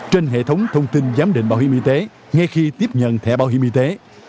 trên hệ thống thông tin giám định bảo hiểm y tế ngay khi tiếp nhận thẻ bảo hiểm y tế